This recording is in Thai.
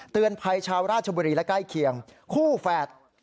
เตือนภัยชาวราชบุรีและใกล้เคียงคู่แฝด